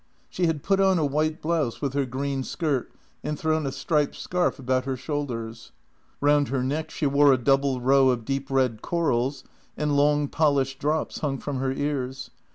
She had put on a white blouse with her green skirt and thrown a striped scarf about her shoulders. Round her neck she wore a double row of deep red corals, and long, polished drops hung from her ears.